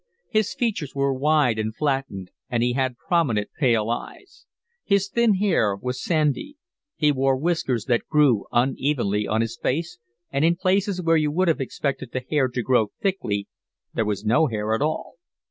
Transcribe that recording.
His features were wide and flattened, and he had prominent, pale eyes; his thin hair was sandy; he wore whiskers that grew unevenly on his face, and in places where you would have expected the hair to grow thickly there was no hair at all.